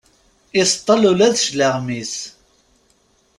Iseṭṭel ula d cclaɣem-is.